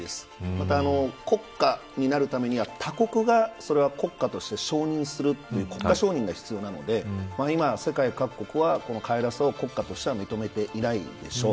また国家になるためには他国がそれは国家として承認する国家承認が必要なので今、世界各国はこのカイラサを国家としては認めていないでしょう。